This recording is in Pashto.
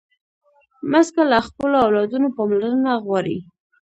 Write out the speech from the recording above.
مځکه له خپلو اولادونو پاملرنه غواړي.